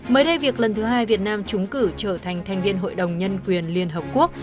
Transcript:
mới đây việc lần thứ hai việt nam trúng cử trở thành thành viên hội đồng nhân quyền liên hợp quốc